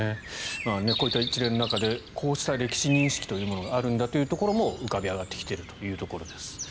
こういった一連の中でこうした歴史認識があるんだというところも浮かび上がってきているところです。